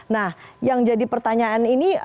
nah yang jadi pertanyaan ini